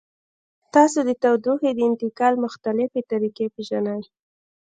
تاسو د تودوخې د انتقال مختلفې طریقې پیژنئ؟